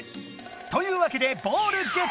というわけでボールゲット！